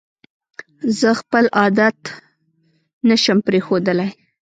زه خپل عادت پشم پرېښودلې